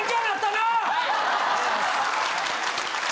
はい。